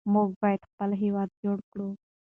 موږ باید خپل هېواد جوړ کړو.